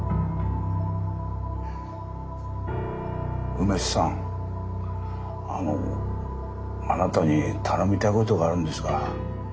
梅津さんあのあなたに頼みたいことがあるんですが。